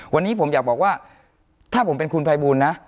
วันนี้ผมอยากบอกว่าถ้าผมเป็นคุณภัยบูลนะ